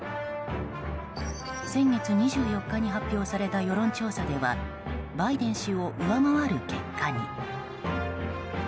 先月２４日に発表された世論調査ではバイデン氏を上回る結果に。